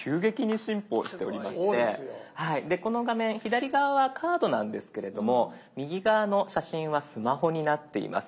この画面左側はカードなんですけれども右側の写真はスマホになっています。